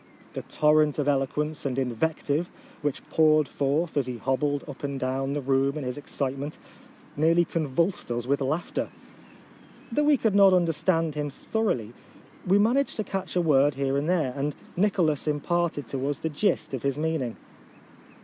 The torrent of eloquence and invective which poured forth as he hobbled up and down the room in his excitement, nearly con vulsed us with laughter. Though we could not understand him thoroughly, we managed to catch a word here and there, and Nicholas imparted to us the gist of his mean ing.